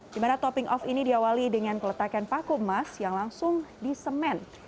di mana topping off ini diawali dengan keletakan paku emas yang langsung disemen